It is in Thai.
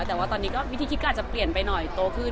แต่ว่าตอนนี้ก็วิธีคิดก็อาจจะเปลี่ยนไปหน่อยโตขึ้น